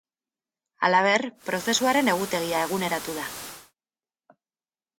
Halaber, prozesuaren egutegia eguneratu da.